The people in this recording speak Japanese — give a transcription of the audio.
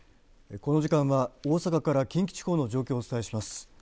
この時間は大阪から近畿地方の状況をお伝えします。